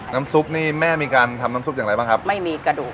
ซุปนี่แม่มีการทำน้ำซุปอย่างไรบ้างครับไม่มีกระดูก